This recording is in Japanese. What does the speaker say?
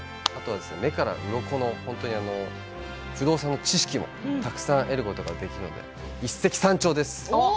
あと目からうろこの不動産の知識もたくさん得ることもできるので一石三鳥です。